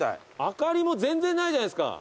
灯りも全然ないじゃないですか。